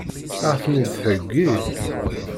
Ad ɣ-ten-id-theggi?